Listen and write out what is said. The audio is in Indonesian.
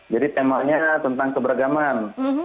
jadi temanya tentang keberagaman